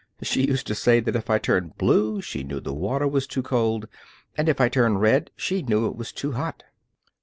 She used to say that if I turned blue she knew the water was too cold, and if I turned red she knew it was too hot."